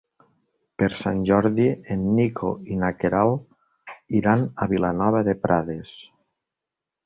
Per Sant Jordi en Nico i na Queralt iran a Vilanova de Prades.